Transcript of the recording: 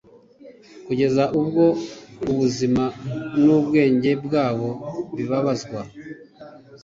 kugeza ubwo ubuzima nubwenge bwabo bibabazwa